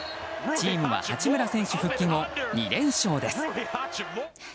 チームは八村選手復帰後２連勝です。